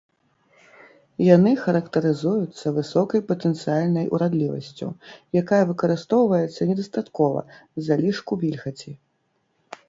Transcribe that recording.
Яны характарызуюцца высокай патэнцыяльнай урадлівасцю, якая выкарыстоўваецца недастаткова з-за лішку вільгаці.